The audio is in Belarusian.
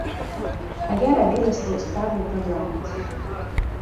А я рабіла сваю справу ў парламенце.